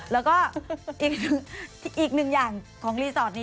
แล้วก็อีกหนึ่งอย่างของรีสอร์ทนี้